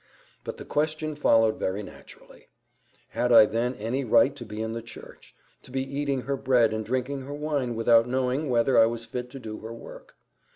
But the question followed very naturally: "Had I then any right to be in the Church—to be eating her bread and drinking her wine without knowing whether I was fit to do her work?"